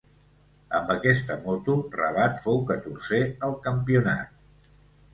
Amb aquesta moto, Rabat fou catorzè al campionat.